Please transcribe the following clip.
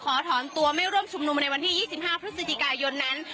ขอถอนตัวไม่ร่วมชุมนุมในวันที่๒๕พฤศจิกายนนั้น